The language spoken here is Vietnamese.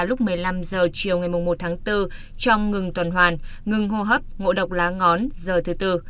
lúc một mươi năm h chiều ngày một tháng bốn trong ngừng tuần hoàn ngừng hô hấp ngộ độc lá ngón giờ thứ tư